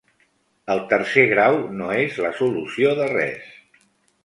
“El tercer grau no és la solució de res”